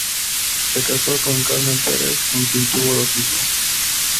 Se casó con Carmen Perez, con quien tuvo dos hijos.